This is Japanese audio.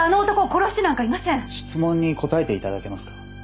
質問に答えて頂けますか？